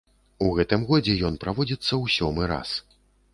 У гэтым годзе ён праводзіцца ў сёмы раз.